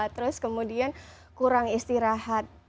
terus kemudian kurang istirahat